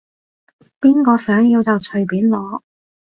邊個想要就隨便攞